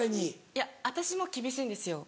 いや私も厳しいんですよ